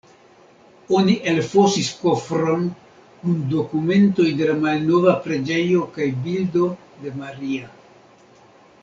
Oni elfosis kofron kun dokumentoj de la malnova preĝejo kaj bildo de Maria.